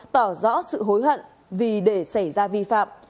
tỏ rõ sự hối hận vì để xảy ra vi phạm